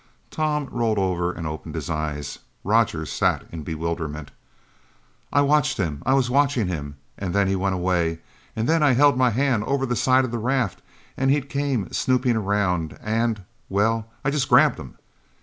Tom rolled over and opened his eyes. Roger sat in bewilderment. "I watched him I was watching him and then he went away. And then I held my hand over the side of the raft and he came snooping around and well, I just grabbed him!"